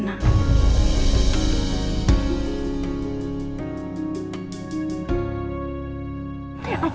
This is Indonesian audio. dan tak pernah menangis